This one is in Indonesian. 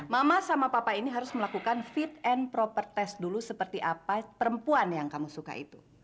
mama sama papa ini harus melakukan fit and proper test dulu seperti apa perempuan yang kamu suka itu